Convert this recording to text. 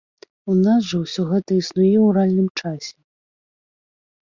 У нас жа ўсё гэта існуе ў рэальным часе.